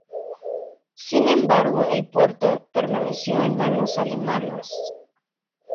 Sin embargo, el puerto permaneció en manos alemanas.